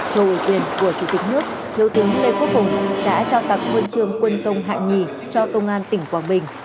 theo ủy quyền của chủ tịch nước thiếu tướng lê quốc phổng đã trao tặng quân trường quân công hạng hai cho công an tỉnh quảng bình